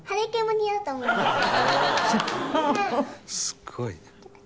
「すごいな」